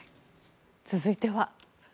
続いては。